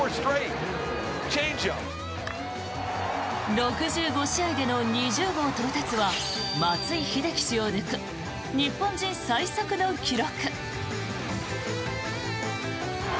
６５試合での２０号到達は松井秀喜氏を抜く日本人最速の記録。